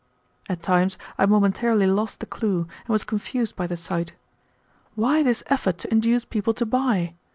At times I momentarily lost the clue and was confused by the sight. Why this effort to induce people to buy?